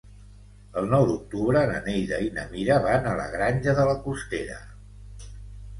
El nou d'octubre na Neida i na Mira van a la Granja de la Costera.